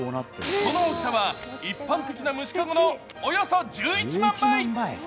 その大きさは一般的な虫かごのおよそ１１万倍。